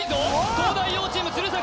東大王チーム鶴崎